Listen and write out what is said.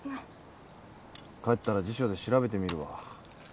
帰ったら辞書で調べてみるわ。